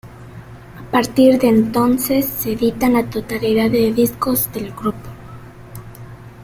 A partir de entonces, se editan la totalidad de discos del grupo.